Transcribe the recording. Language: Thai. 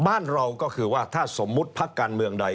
บ้านเราก็คือว่าถ้าสมมุติพักการเมืองใด